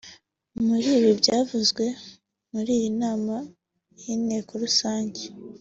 Mu bindi byavuzwe muri iyi nama y’inteko rusange